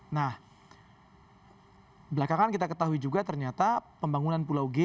nah belakangan kita ketahui juga ternyata pembangunan pulau g